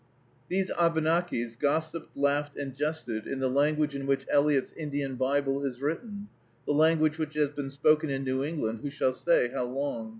These Abenakis gossiped, laughed, and jested, in the language in which Eliot's Indian Bible is written, the language which has been spoken in New England who shall say how long?